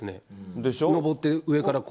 でしょ？